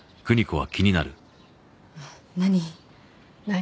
何？